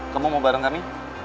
kamu mau bareng kami